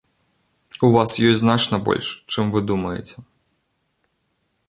У вас ёсць значна больш, чым вы думаеце.